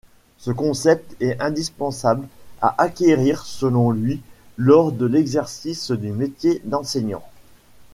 Ce concept est indispensable à acquérir selon lui lors de l'exercice du métier d'enseignant.